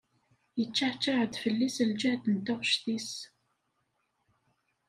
Yeččaɛčaɛ-d fell-i s lǧehd n taɣect-is.